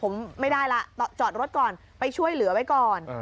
ผมไม่ได้ละจอดรถก่อนไปช่วยเหลือไว้ก่อน